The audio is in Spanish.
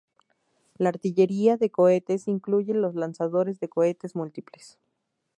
La artillería de cohetes incluye los lanzadores de cohetes múltiples.